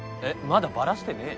まだバラしてねえ？